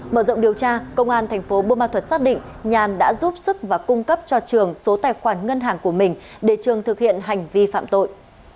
mở rộng điều tra công an thành phố bô ma thuật xác định nhàn đã giúp sức và cung cấp cho trường số tài khoản ngân hàng của mình để trường thực hiện hành vi phạm tội